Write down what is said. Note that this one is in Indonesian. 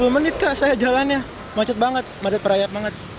tiga puluh menit saya jalannya macet banget madet peraya banget